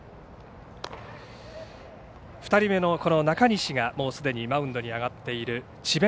２人目の中西が、すでにマウンドに上がっている智弁